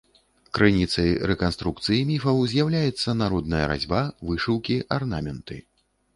Крыніцай рэканструкцыі міфаў з'яўляецца народная разьба, вышыўкі, арнаменты.